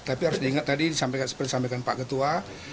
tapi harus diingat tadi seperti disampaikan pak ketua